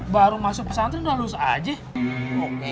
baru masuk pesantren udah lulus aja